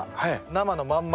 生のまんま。